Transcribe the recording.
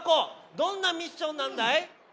どんなミッションなんだい？